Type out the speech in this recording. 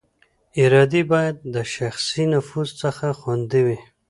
ادارې باید د شخصي نفوذ څخه خوندي وي